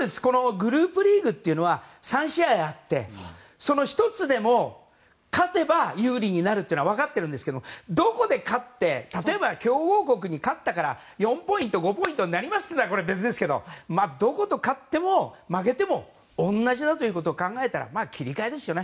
グループリーグというのは３試合あって１つでも勝てば有利になるのは分かってるんですけどどこで勝って例えば強豪国に勝ったから４ポイント５ポイントになりますって言うならこれは別ですけどどこに勝っても負けても同じだということを考えたら切り替えですよね。